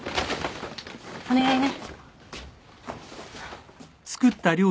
お願いね。